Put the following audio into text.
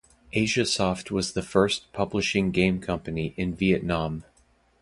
Asiasoft was the first publishing game company in Vietnam.